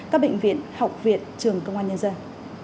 các bệnh viện học viện trường công an nhân dân